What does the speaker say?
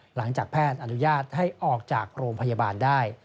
หลังจากแพทย์อนุญาตให้ออกจากโรงพยาบาลได้